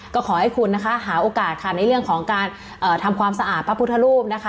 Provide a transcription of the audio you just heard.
ก็ขอให้คุณนะคะหาโอกาสค่ะในเรื่องของการทำความสะอาดพระพุทธรูปนะคะ